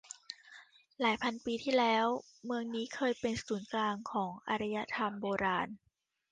หลายพันปีที่แล้วเมืองนี้เคยเป็นศูนย์กลางของอารยธรรมโบราณ